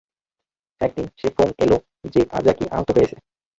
একদিন, সে ফোন এলো যে আজাগী আহত হয়েছে।